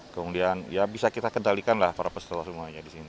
kemudian ya bisa kita kendalikan lah para peserta semuanya di sini